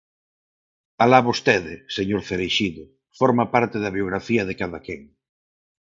Alá vostede, señor Cereixido, forma parte da biografía de cada quen.